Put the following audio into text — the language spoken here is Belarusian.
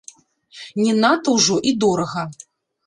Не надта ўжо і дорага.